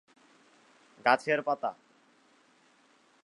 গাছের পাতা।